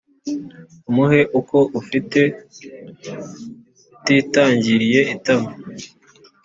umuhe uko ufite utitangiriye itama